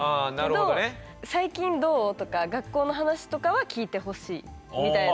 けど最近どう？とか学校の話とかは聞いてほしいみたいな。